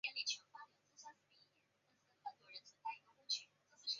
广岛藩是日本江户时代的一个藩领。